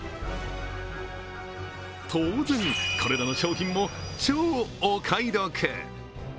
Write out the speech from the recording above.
当然、これらの商品も超お買い得。